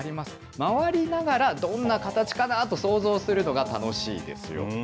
回りながら、どんな形かなと想像するのが楽しいですよと。